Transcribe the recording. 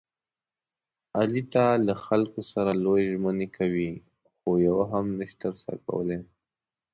علي تل له خلکو سره لویې ژمنې کوي، خویوه هم نشي ترسره کولی.